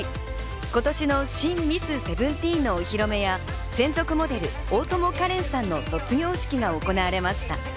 今年の新ミスセブンティーンのお披露目や、専属モデル・大友花恋さんの卒業式が行われました。